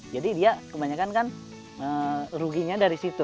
jadi dia kebanyakan kan ruginya dari situ